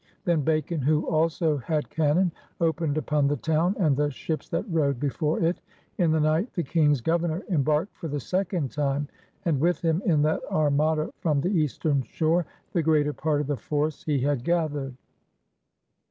Then Bacon, who also had cannon, opened upon the town and the ships that rode before it. In the night the King's Governor embarked for the second time and with him, in that armada from the Eastern Shore, the greater part of the force he had gathered.